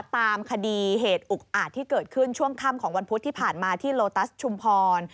ตามคดีเหตุอุกอาจที่เกิดขึ้นช่วงค่ำของวันพุธที่ผ่านมาที่โลตัสชุมพร